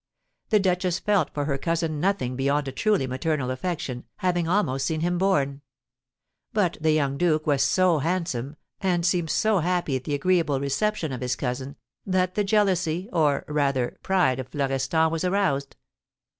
The duchess felt for her cousin nothing beyond a truly maternal affection, having almost seen him born. But the young duke was so handsome, and seemed so happy at the agreeable reception of his cousin, that the jealousy, or, rather, pride of Florestan was aroused.